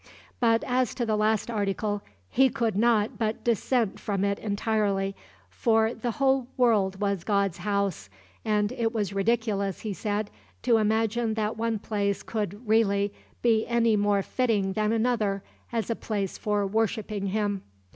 But as to the last article, he could not but dissent from it entirely, for the whole world was God's house, and it was ridiculous, he said, to imagine that one place could really be any more fitting than another as a place for worshiping him.